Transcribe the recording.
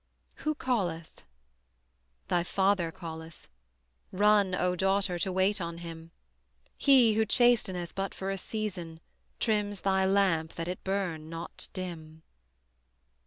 Who calleth? Thy Father calleth, Run, O Daughter, to wait on Him: He Who chasteneth but for a season Trims thy lamp that it burn not dim.